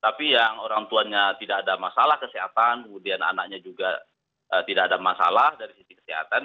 tapi yang orang tuanya tidak ada masalah kesehatan kemudian anaknya juga tidak ada masalah dari sisi kesehatan